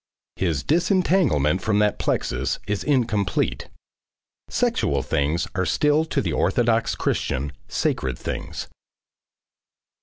His disentanglement from that plexus is incomplete. Sexual things are still to the orthodox Christian, sacred things.